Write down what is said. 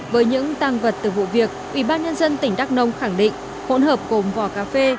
với những tăng vật từ vụ việc ủy ban nhân dân tỉnh đắk nông khẳng định hỗn hợp cùng vỏ cà phê